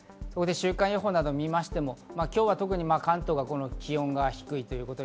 週間予報を見ても今日は特に関東が気温が低い。